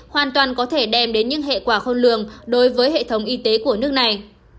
hoàn toàn có thể đem đến những hệ quả khôn lường đối với hệ thống y tế của nước này